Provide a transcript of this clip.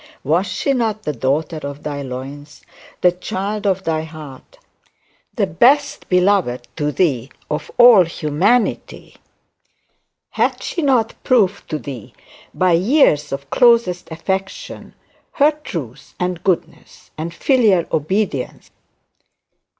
Was she not the daughter of thy loins, the child of thy heart, the most beloved of thee of all humanity? Had she not proved to thee, by years of closest affection, her truth and goodness and filial obedience?